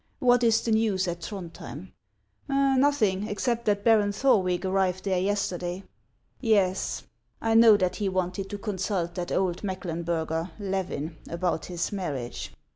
What is the news at o O Throndhjem ?" "Nothing, except that Baron Thorwick arrived there yesterday." " Yes, I know that he wanted to consult that old Meck lenburger, Levin, about his marriage.